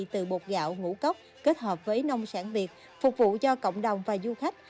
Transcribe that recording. từ bột gạo ngũ cốc kết hợp với nông sản việt phục vụ cho cộng đồng và du khách